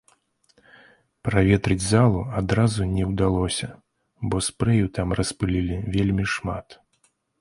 Праветрыць залу адразу не ўдалося, бо спрэю там распылілі вельмі шмат.